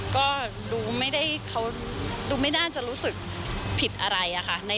ก็ดูไม่ได้เขาดูไม่น่าจะรู้สึกผิดอะไรอะค่ะ